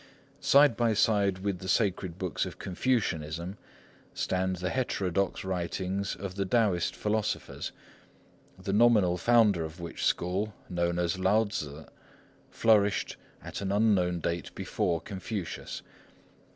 Side by side with the sacred books of Confucianism stand the heterodox writings of the Taoist philosophers, the nominal founder of which school, known as Lao Tzŭ, flourished at an unknown date before Confucius.